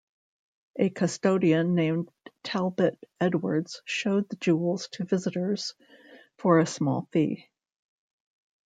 A custodian named Talbot Edwards showed the jewels to visitors for a small fee.